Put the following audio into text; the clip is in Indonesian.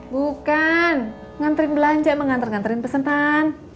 bukan nganterin belanja nganter nganterin pesentan